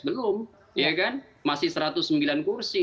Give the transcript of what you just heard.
belum ya kan masih satu ratus sembilan kursi